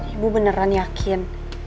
ibu beneran yakin